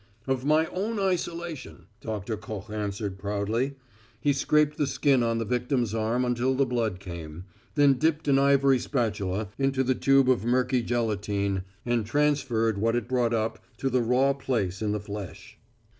"Of my own isolation," Doctor Koch answered proudly. He scraped the skin on the victim's arm until the blood came, then dipped an ivory spatula into the tube of murky gelatine and transferred what it brought up to the raw place in the flesh.